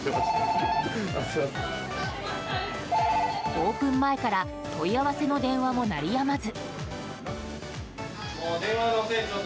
オープン前から問い合わせの電話も鳴りやまず。